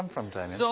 そう。